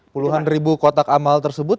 puluhan ribu kotak amal tersebut